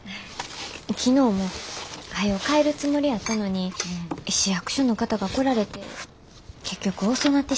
昨日もはよ帰るつもりやったのに市役所の方が来られて結局遅なってしもて。